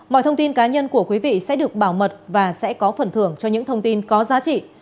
mọi thông tin cá nhân của quý vị sẽ được bảo mật và sẽ có phần thưởng cho những thông tin có giá trị